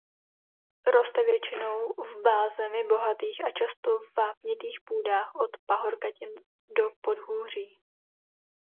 Roste většinou v bázemi bohatých a často vápnitých půdách od pahorkatin do podhůří.